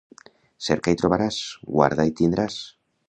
Cerca i trobaràs, guarda i tindràs.